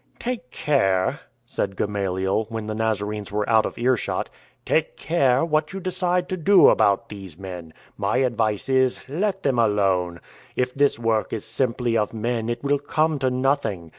"Take care," said Gamaliel, when the Nazarenes were out of earshot, " take care what you decide to do about these men. My advice is, let them alone. If this work' is simply of men it will come to nothing.